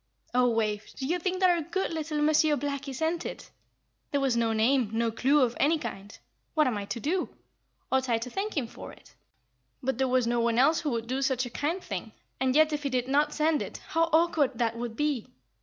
"Oh, Wave, do you think that our good little Monsieur Blackie sent it? There was no name, no clue of any kind. What am I to do? Ought I to thank him for it? But there is no one else who would do such a kind thing; and yet if he did not send it, how awkward that would be!